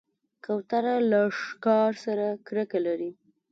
کوتره له ښکار سره کرکه لري.